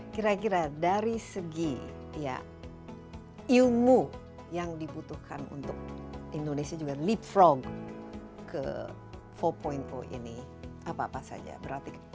kira kira dari segi ilmu yang dibutuhkan untuk indonesia juga leapfrog ke empat ini apa apa saja berarti